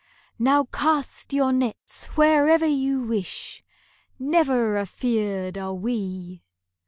"Now cast your nets wherever you wish,— Never afeard are we!"